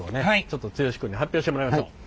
ちょっと剛君に発表してもらいましょう。